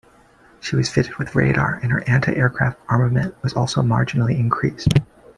She was fitted with radar and her Anti-Aircraft armament was also marginally increased.